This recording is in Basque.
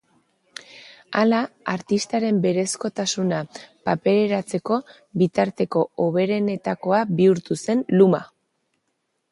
Hala, artistaren berezkotasuna papereratzeko bitarteko hoberenetakoa bihurtu zen luma.